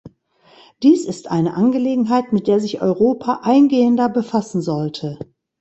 Dies ist eine Angelegenheit, mit der sich Europa eingehender befassen sollte.